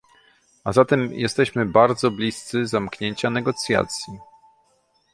A zatem jesteśmy bardzo bliscy zamknięcia negocjacji